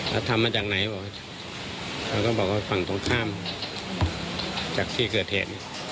แล้วทำมาจากไหนบอกเขาก็บอกว่าฝั่งตรงข้ามจากที่เกิดเหตุ